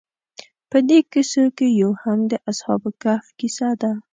په دې کیسو کې یو هم د اصحاب کهف کیسه ده.